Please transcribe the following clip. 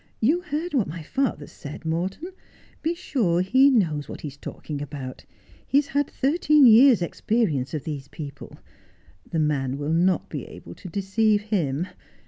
You heard what my father said, Morton 1 Be sure he knows what he is talking about. He has had thirteen years' experience of these people. The man will not be able to deceive him.